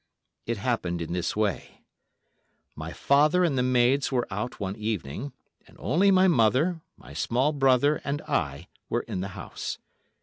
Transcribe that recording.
It happened in this way: My father and the maids were out one evening, and only my mother, my small brother and I were in the house.